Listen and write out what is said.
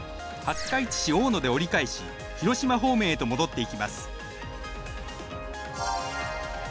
廿日市市大野で折り返し広島方面へと戻っていきます。